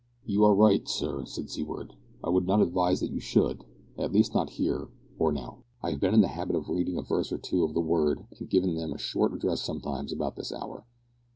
"You are right, sir," said Seaward, "I would not advise that you should at least not here, or now. I have been in the habit of reading a verse or two of the Word and giving them a short address sometimes about this hour.